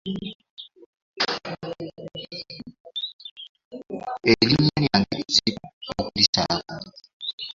Erinnya lyange kizibu okulisalako.